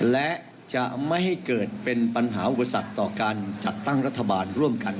และจะไม่ให้เกิดเป็นปัญหาอุปสรรคต่อการจัดตั้งรัฐบาลร่วมกัน